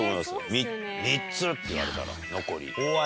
３つって言われたら残り。